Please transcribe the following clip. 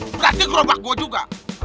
berarti gerobak gue juga